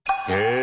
え！